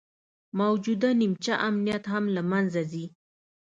موجوده نیمچه امنیت هم له منځه ځي